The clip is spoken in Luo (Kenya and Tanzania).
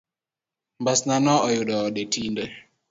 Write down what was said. Mbasnano oyudo ode tinde.